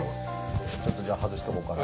ちょっとじゃあ外しておこうかな。